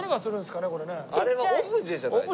あれはオブジェじゃないですか？